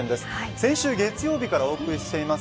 先週月曜日からお送りしています